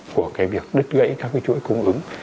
của cái việc đứt gãy các cái chuỗi cung ứng